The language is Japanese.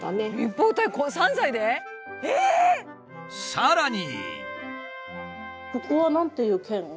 さらに。